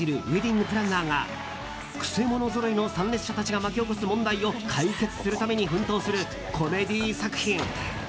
ウェディングプランナーが曲者ぞろいの参列者たちが巻き起こす問題を解決するために奮闘するコメディー作品。